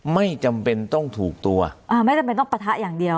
ไม่จำเป็นต้องถูกตัวอ่าไม่จำเป็นต้องปะทะอย่างเดียว